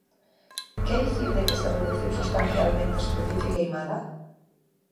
¿Que dicir de que se reduciu substancialmente a superficie queimada?